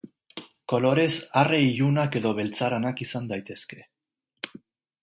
Kolorez arre ilunak edo beltzaranak izan daitezke.